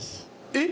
えっ？